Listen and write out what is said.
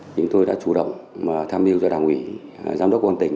chúng tôi đã chủ động tham dự cho đảng ủy giám đốc quân tỉnh